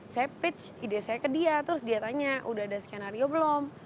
saya pitch ide saya ke dia terus dia tanya udah ada skenario belum